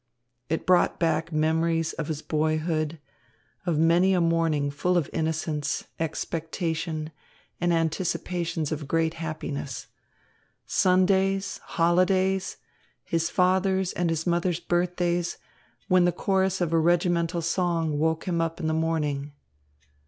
It brought back memories of his boyhood, of many a morning full of innocence, expectation, and anticipations of great happiness; Sundays, holidays, his father's and his mother's birthdays, when the chorus of a regimental song woke him up in the morning.